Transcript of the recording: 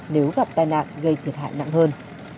nếu gặp tai nạn gây thiệt hại nặng hơn